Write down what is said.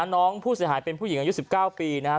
น้องผู้เสียหายเป็นผู้หญิงอายุ๑๙ปีนะครับ